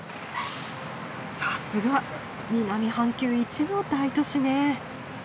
さすが南半球一の大都市ね。